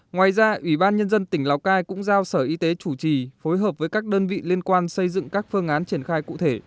ngoài ra ủy ban nhân dân tỉnh lào cai cũng giao sở y tế chủ trì phối hợp với các đơn vị liên quan xây dựng các phương án triển khai cụ thể